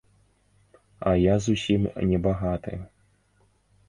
А я зусім не багаты.